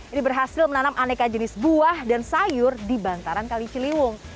ini berhasil menanam aneka jenis buah dan sayur di bantaran kali ciliwung